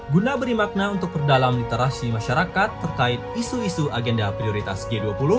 guna beri makna untuk perdalam literasi masyarakat terkait isu isu agenda prioritas g dua puluh